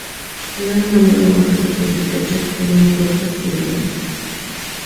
Era una moda más corta y estrecha, con un corte occidental.